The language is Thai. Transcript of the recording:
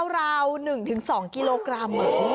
ราว๑๒กิโลกรัม